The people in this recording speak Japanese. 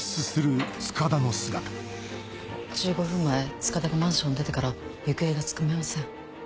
１５分前塚田がマンションを出てから行方がつかめません。